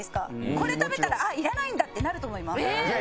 これ食べたら「あっいらないんだ」ってなると思います。